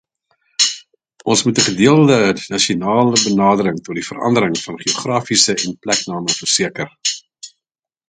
Ons moet 'n gedeelde nasionale benadering tot die verandering van geografiese en plekname verseker.